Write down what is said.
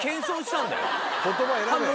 言葉選べ！